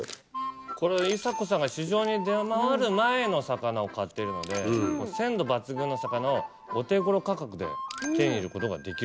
イサ子さんが市場に出回る前の魚を買ってるので鮮度抜群の魚をお手頃価格で手に入れることができる。